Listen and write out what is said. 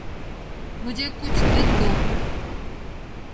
مجھے کچھ دن دو۔